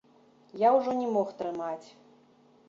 Я ўжо не мог трымаць.